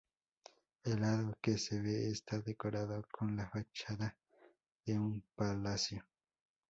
El lado que se ve está decorado con la fachada de un palacio.